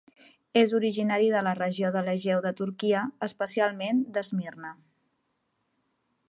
És originari de la Regió de l'Egeu de Turquia, especialment d'Esmirna.